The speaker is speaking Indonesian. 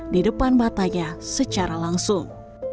di depan matanya secara langsung